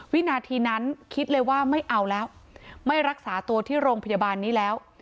วินาทีนั้นคิดเลยว่าไม่เอาแล้วไม่รักษาตัวที่โรงพยาบาลนี้แล้ว